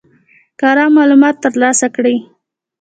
کره معلومات ترلاسه کړي.